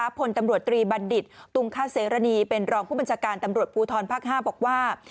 ผลตำรวจตรีบัณฑิตตุงคาเสรณีเป็นรองผู้บัญชาการตำรวจภูทรภาค๕บอกว่า